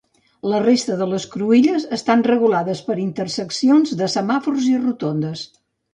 La resta de les cruïlles estan regulades per interseccions de semàfors i rotondes.